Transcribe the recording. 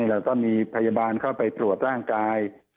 เราต้องมีพยาบาลเข้าไปตรวจร่างกาย